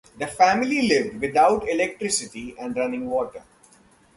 The family lived without electricity and running water.